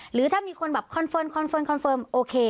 หรือถ้ามีคนแบบคอนเฟิร์คอนเฟิร์คอนเฟิร์มโอเค